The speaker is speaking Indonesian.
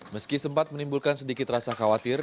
meski sempat menimbulkan sedikit rasa khawatir